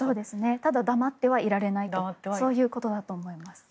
ただ黙ってはいられないとそういうことだと思います。